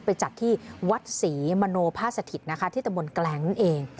ไปจัดที่วัดศรีมโนภาสถิตนะคะที่ตะบนแกลงนั่นเอง